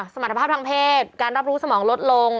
สมรรถภาพทางเพศการรับรู้สมองลดลง